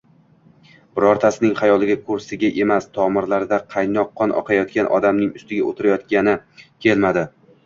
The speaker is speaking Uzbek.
Birortasining xayoliga kursiga emas, tomirlarida qaynoq qon oqayotgan odamning ustiga o`tirayotgani kelmadi